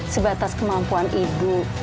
sebatas kemampuan ibu